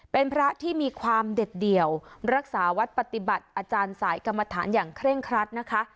เป็นพระที่มีความเด็ดเดี่ยวรักษาวัดปฏิบัติอาจารย์สายกรรมฐานอย่างเคร่งครัดนะคะ